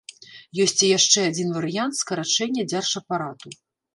Ёсць і яшчэ адзін варыянт скарачэння дзяржапарату.